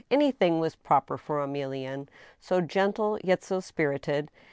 anything was proper for Emilienne, so gentle yet so spirited.